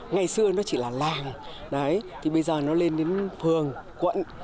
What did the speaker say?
ngày xưa nó chỉ là làng đấy thì bây giờ nó lên đến phường quận